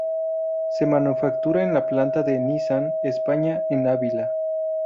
Se manufactura en la planta de Nissan España en Ávila.